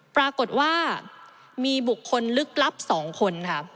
ปรากฏว่ามีบุคคลลึกลับ๒คนค่ะ